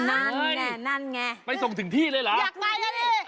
นั่นไงไปส่งถึงที่เลยเหรออยากไปเลย